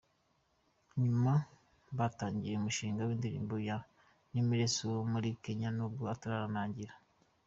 Nyuma batangiye umushinga w’indirimbo na Nameless wo muri Kenya nubwo utararangira.